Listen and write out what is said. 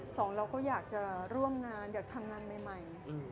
สองเราก็อยากจะร่วมงานอยากทำงานใหม่